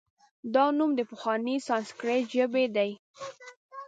دا نوم د پخوانۍ سانسکریت ژبې دی